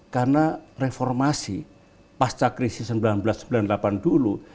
karena reformasi pasca krisis seribu sembilan ratus sembilan puluh delapan dulu